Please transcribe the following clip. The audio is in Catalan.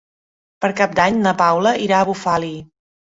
Per Cap d'Any na Paula irà a Bufali.